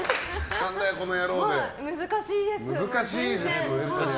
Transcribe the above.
難しいです、全然。